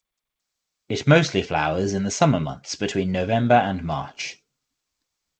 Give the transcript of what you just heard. It mostly flowers in the summer months between November and March.